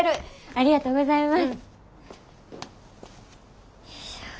ありがとうございます。